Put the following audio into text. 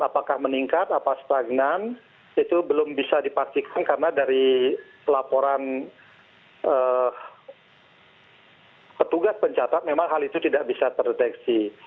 apakah meningkat apakah stagnan itu belum bisa dipastikan karena dari laporan petugas pencatat memang hal itu tidak bisa terdeteksi